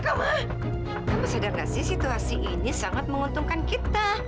kamu sadar gak sih situasi ini sangat menguntungkan kita